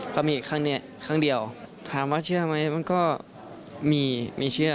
ก็มีอีกครั้งเดียวถามว่าเชื่อไหมมันก็มีเคยเชื่อ